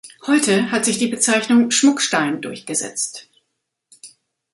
Heute hat sich die Bezeichnung Schmuckstein durchgesetzt.